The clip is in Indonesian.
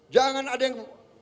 jangan ada yang